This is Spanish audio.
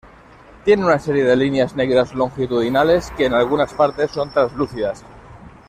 Tiene una serie de líneas negras longitudinales, que en algunas partes son translúcidas.